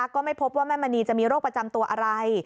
ก็ไม่พบว่าแม่มณีจะมีโรคประจำตัวอะไร